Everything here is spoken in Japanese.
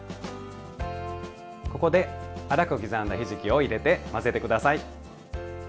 ここで粗く刻んだひじきを入れて混ぜて下さい。